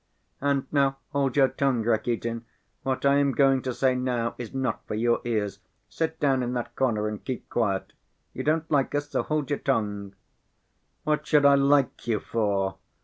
"And now hold your tongue, Rakitin, what I am going to say now is not for your ears. Sit down in that corner and keep quiet. You don't like us, so hold your tongue." "What should I like you for?"